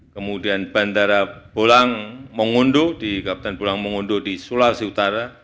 kemudian bandara bulang mungundu di kapten bulang mungundu di sulawesi utara